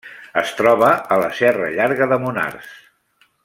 Es troba a la Serra Llarga de Monars.